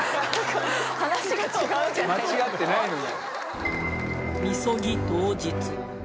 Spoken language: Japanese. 間違ってないのに。